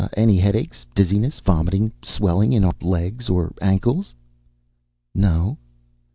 "Any headaches? Dizziness? Vomiting? Swelling in our legs or ankles?" "No."